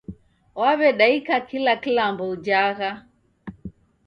Waw'edaika kila kilambo ujhagha